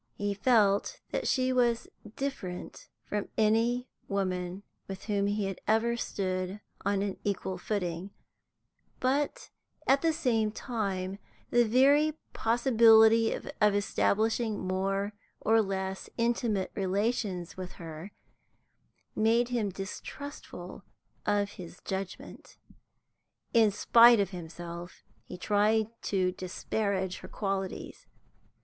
He felt that she was different from any woman with whom he had ever stood on an equal footing; but, at the same time, the very possibility of establishing more or less intimate relations with her made him distrustful of his judgment. In spite of himself, he tried to disparage her qualities.